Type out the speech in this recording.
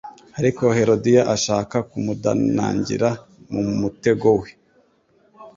ariko Herodiya ashaka kumudanangira mu mutego we,